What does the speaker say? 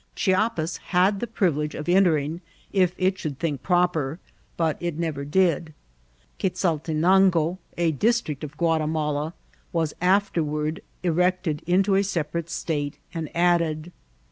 Chiapas had the privilege of entering if it should think i»oper, but it never did. Quessaltenango, a district of Guatimala, was afterward erected into a separate state, and added.